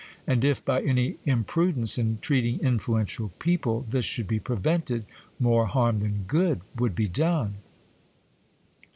—and if, by any imprudence in treating influential people, this should be prevented, more harm than good would be done.